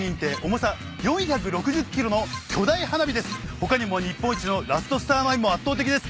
他にも日本一のラストスターマインも圧倒的です。